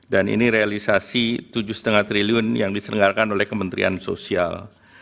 dan ini realisasi rp tujuh lima triliun yang diselenggarkan oleh kementerian sosial